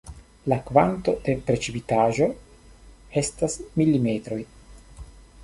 La kvanto de precipitaĵo estas milimetroj.